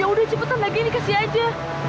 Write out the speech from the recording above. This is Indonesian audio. ya udah cepetan lagi dikasih aja